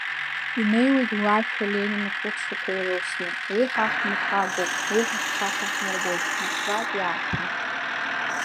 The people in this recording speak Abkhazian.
Инеиуеит уи ашәа Ленин ихәыцрақәа ирылсны, уи ҳа ҳнырхагоуп, уи ҳахьцаша ҳнарбоит, Москватәи ааԥын…